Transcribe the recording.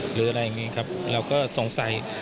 หรืออะไรอย่างนี้ครับเราก็สงสัย